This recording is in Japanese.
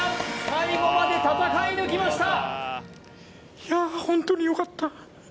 最後まで戦い抜きました